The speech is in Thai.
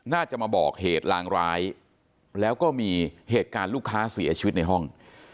น่าจะมาบอกเหตุลางร้ายแล้วก็มีเหตุการณ์ลูกค้าเสียชีวิตในห้อง